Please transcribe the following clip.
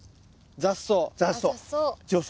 雑草。